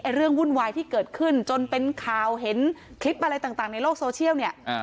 เรื่องวุ่นวายที่เกิดขึ้นจนเป็นข่าวเห็นคลิปอะไรต่างในโลกโซเชียลเนี่ย